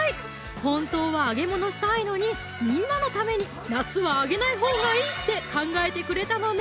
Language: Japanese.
本当は揚げ物したいのにみんなのために「夏は揚げないほうがいい」って考えてくれたのね！